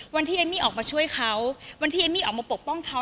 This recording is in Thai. วันที่เอมมี่ออกมาช่วยเขาวันที่เอมมี่ออกมาปกป้องเขา